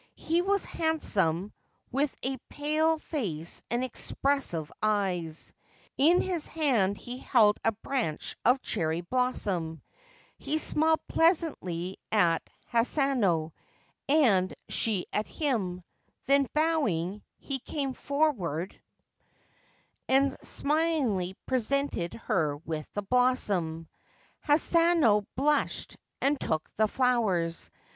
He was handsome, with a pale face and expressive eyes. In his hand he held a branch of cherry blossom. He smiled pleasantly at Hanano, and she at him ; then, bowing, he came forward 203 Ancient Tales and Folklore of Japan and smilingly presented her with the blossom. Hanano blushed, and took the flowers.